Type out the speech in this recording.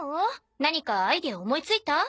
何かアイデア思いついた？